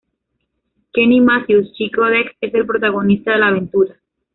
Kenny Matthews: Chico dex, es el protagonista de la aventura.